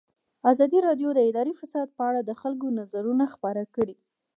ازادي راډیو د اداري فساد په اړه د خلکو نظرونه خپاره کړي.